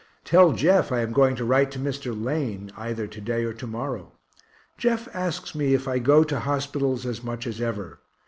Tell Jeff I am going to write to Mr. Lane either to day or to morrow. Jeff asks me if I go to hospitals as much as ever.